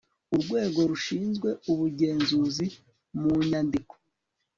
urwego rushinzwe ubugenzuzi mu nyandiko